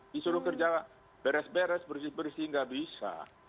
disuruh kerja beres beres bersih bersih nggak bisa